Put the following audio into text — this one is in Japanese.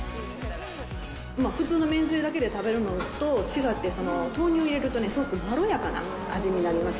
普通のめんつゆだけで食べるのと違って、豆乳入れるとね、すごくまろやかな味になります。